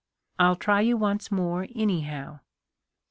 I'll try you once more, anyhow."